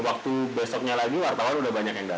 waktu besoknya lagi wartawan udah banyak yang datang